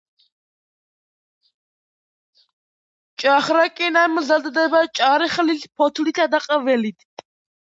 ჭახრაკინა მზადდება ჭარხლის ფოთლითა და ყველით.